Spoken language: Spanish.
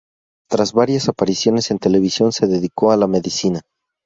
Tras varias apariciones en televisión se dedicó a la medicina.